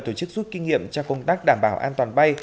tổ chức rút kinh nghiệm cho công tác đảm bảo an toàn bay